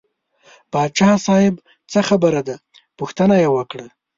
پاچا صاحب څه خبره ده پوښتنه یې وکړه.